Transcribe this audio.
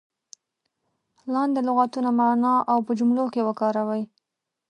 لاندې لغتونه معنا او په جملو کې وکاروئ.